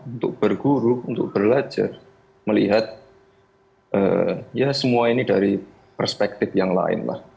untuk berguru untuk belajar melihat ya semua ini dari perspektif yang lain lah